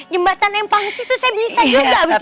jembatan yang pangsi tuh saya bisa juga